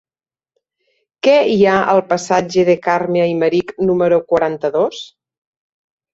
Què hi ha al passatge de Carme Aymerich número quaranta-dos?